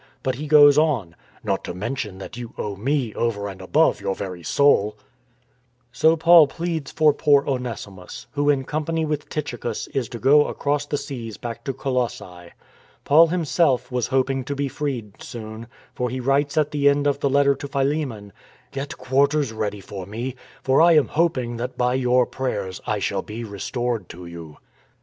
But he goes on, " Not to mention that you owe me, over and above, your very soul !" So Paul pleads for poor Onesimus, who in company with Tychicus is to go across the seas back to Colossae. Paul himself was hoping to be freed soon, for he writes at the end of the letter to Philemon :" Get quarters ready for me, for I am hoping that by your prayers I shall be restored to you."